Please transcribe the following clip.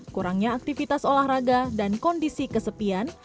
kurangnya aktivitas olahraga dan kondisi kesepian